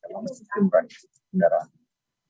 bagaimana cara mendeteksi tidak ada masalah